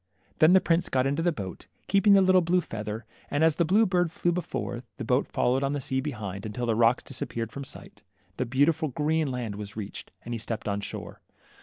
Then the prince got into the boat, keeping the lit tle blue feather, and as the blue bird fiew before, the boat followed on the sea behind, until the rocks dis appeared from sight, the beautiful green land was reached, and he stepped on shore.